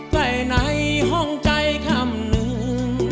ใกล้ไหนห้องใจคำหนึ่ง